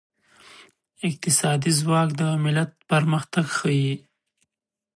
اقتصادي ځواک د ملت پرمختګ ښيي.